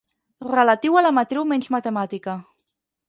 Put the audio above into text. Relatiu a la matriu menys matemàtica.